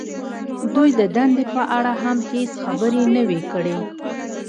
دوی د دندې په اړه هم هېڅ خبرې نه وې کړې